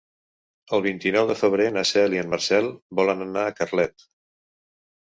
El vint-i-nou de febrer na Cel i en Marcel volen anar a Carlet.